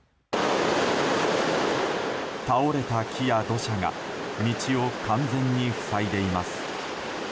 倒れた木や土砂が道を完全に塞いでいます。